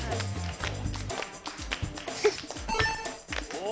お！